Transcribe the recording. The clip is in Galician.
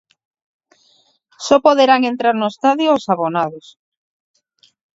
Só poderán entrar no estadio os abonados.